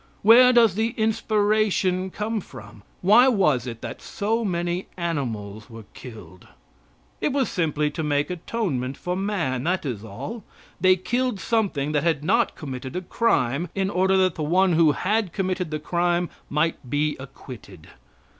Where does the inspiration come from? Why was it that so many animals were killed? It was simply to make atonement for man that is all. They killed something that had not committed a crime, in order that the one who had committed the crime might be acquitted.